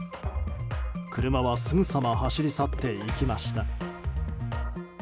車はすぐさま走り去っていきました。